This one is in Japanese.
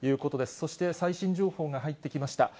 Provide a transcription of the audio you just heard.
そして最新情報が入ってきました。